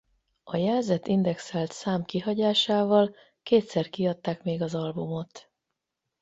A jelzett-indexelt szám kihagyásával kétszer kiadták még az albumot.